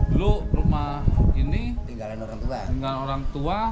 dulu rumah ini tinggal orang tua